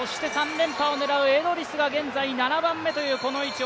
３連覇を狙うエドリスが現在７番目というこの位置、